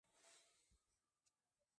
هېواد د باد ازادي ده.